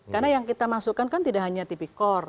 karena yang kita masukkan kan tidak hanya tipik core